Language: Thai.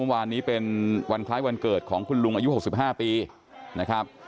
เมื่อวานนี้เป็นวันคล้ายวันเกิดของคุณลุงอายุ๖๕ปีนะครับ